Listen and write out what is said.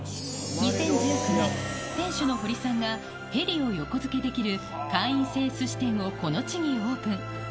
２０１９年、店主の堀さんが、ヘリを横付けできる会員制すし店をこの地にオープン。